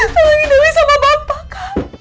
tolongin dewi sama bapak kak